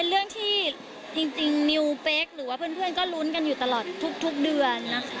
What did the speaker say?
เป็นเรื่องที่นิวเป๊กหรือเพื่อนก็รุ้นกันอยู่ตลอดทุกเดือน